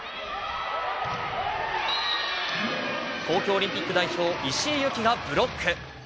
東京オリンピック代表、石井優希がブロック。